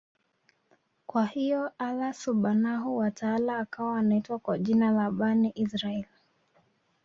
Kwa hiyo Allaah Subhaanahu wa Taala akawa Anawaita kwa jina la Bani Israaiyl